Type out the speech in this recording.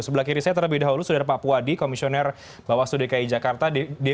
sebelah kiri saya terlebih dahulu sudah ada pak puwadi komisioner bawaslu dki jakarta